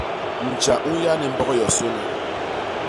Ntja u nya ni mbok yosôna.